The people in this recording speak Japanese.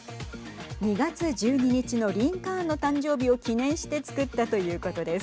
２月１２日のリンカーンの誕生日を記念して作ったということです。